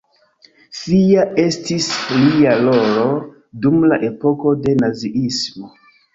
Fia estis lia rolo dum la epoko de naziismo.